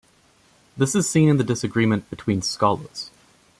This is seen in the disagreement between scholars.